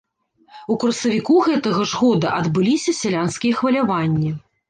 У красавіку гэтага ж года адбыліся сялянскія хваляванні.